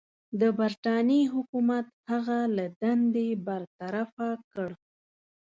د برټانیې حکومت هغه له دندې برطرفه کړ.